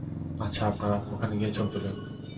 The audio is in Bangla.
আচ্ছা আপনারা, ওখানে গিয়ে, ছবি তুলেন।